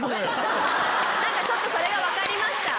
ちょっとそれが分かりました。